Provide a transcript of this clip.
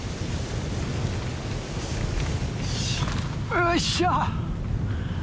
よいしょ！